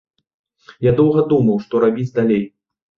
Я доўга думаў, што рабіць далей.